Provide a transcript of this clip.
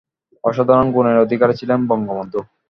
অসাধারণ গুণের অধিকারী ছিলেন বঙ্গবন্ধু।